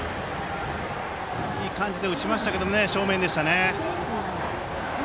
いい感じで打ちましたけど正面でしたね。